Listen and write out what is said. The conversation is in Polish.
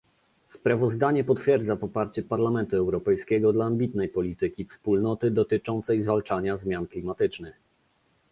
Sprawozdanie potwierdza poparcie Parlamentu Europejskiego dla ambitnej polityki Wspólnoty dotyczącej zwalczania zmian klimatycznych